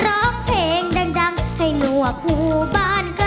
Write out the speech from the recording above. ร้องเพลงดังให้หนวกหูบ้านเกิด